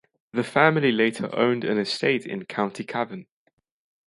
The family later owned an estate in County Cavan.